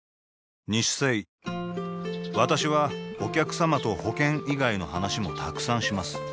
私はお客様と保険以外の話もたくさんします